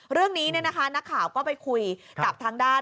เรื่องนี้นักข่าวก็ไปคุยกับทางด้าน